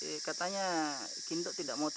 selamat ederakan lumayan selamat